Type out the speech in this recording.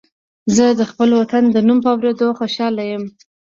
زه د خپل وطن د نوم په اورېدو خوشاله یم